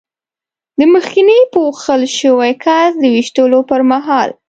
د مخکېني پوښتل شوي کس د وېشتلو پر مهال.